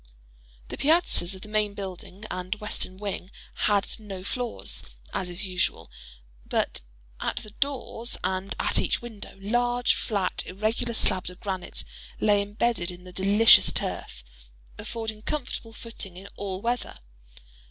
The piazzas of the main building and western wing had no floors, as is usual; but at the doors and at each window, large, flat irregular slabs of granite lay imbedded in the delicious turf, affording comfortable footing in all weather.